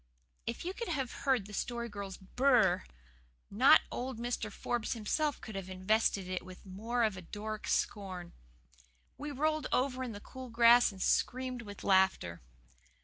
'" If you could have heard the Story Girl's "bur r r r!" Not old Mr. Forbes himself could have invested it with more of Doric scorn. We rolled over in the cool grass and screamed with laughter.